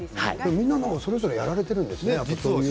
みんな、それぞれやられてるんですよね。